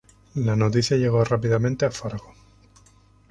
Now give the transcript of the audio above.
La noticia llegó rápidamente a Fargo.